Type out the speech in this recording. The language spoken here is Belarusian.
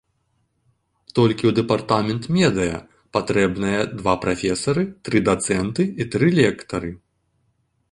Толькі ў дэпартамент медыя патрэбныя два прафесары, тры дацэнты і тры лектары.